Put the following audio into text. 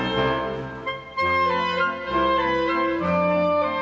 โปรดติดตามต่อไป